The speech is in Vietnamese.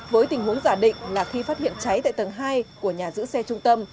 với tình huống giả định là khi phát hiện cháy tại tầng hai của nhà giữ xe trung tâm